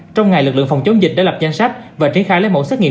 trong ngày lực lượng phòng chống dịch đã lập danh sách và triển khai lấy mẫu xét nghiệm